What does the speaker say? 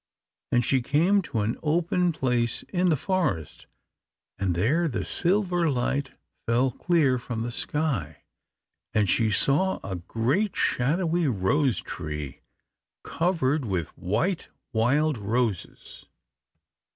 And she came to an open place in the forest, and there the silver light fell clear from the sky, and she saw a great shadowy rose tree, covered with white wild roses.